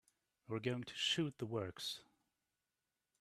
We're going to shoot the works.